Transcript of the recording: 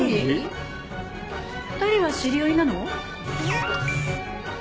２人は知り合いなの？